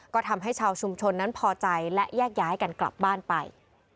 ก็ทำให้ชาวชุมชนนั้นพอใจและแยกย้ายกันกลับบ้านไป